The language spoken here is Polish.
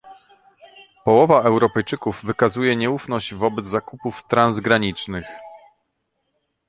Połowa Europejczyków wykazuje nieufność wobec zakupów transgranicznych